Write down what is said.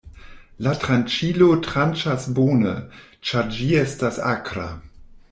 La tranĉilo tranĉas bone, ĉar ĝi estas akra.